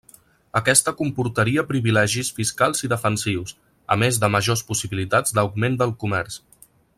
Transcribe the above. Aquesta comportaria privilegis fiscals i defensius, a més de majors possibilitats d'augment del comerç.